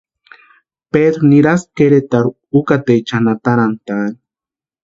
Pedru nirasti Queretarhu ukateechani atarantʼaani.